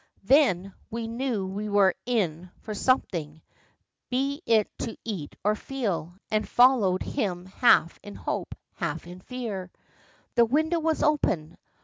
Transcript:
Then we knew we were "in" for something, be it to eat or feel, and followed him half in hope, half in fear. The window was open.